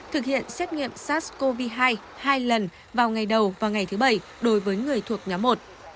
thực hiện xét nghiệm sars cov hai hai lần vào ngày đầu và ngày thứ bảy đối với người thuộc nhóm một